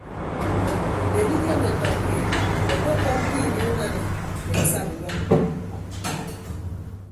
Mme edidiana ọtọ keed ekpekọm ke ini unana mme nsat ubọk.